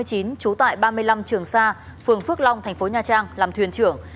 trú tại ba mươi năm trường sa phường phước long thành phố nha trang làm thuyền trưởng